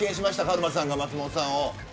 カルマさんが松本さんを。